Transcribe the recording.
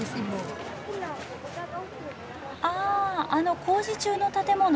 ああの工事中の建物？